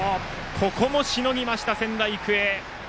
ここもしのぎました、仙台育英！